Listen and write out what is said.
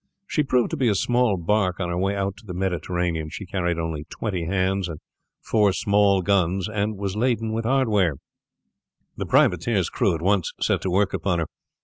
She proved to be a small bark on her way out to the Mediterranean. She carried only twenty hands and four small guns, and was laden with hardware. The privateer's crew at once set to work upon her.